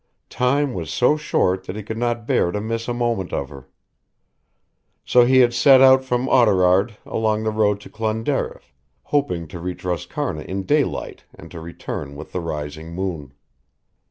Time was so short that he could not bear to miss a moment of her. So he had set out from Oughterard along the road to Clonderriff, hoping to reach Roscarna in daylight and to return with the rising moon.